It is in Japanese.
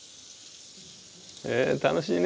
楽しいね。